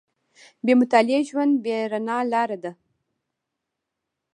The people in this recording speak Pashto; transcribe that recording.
• بې مطالعې ژوند، بې رڼا لاره ده.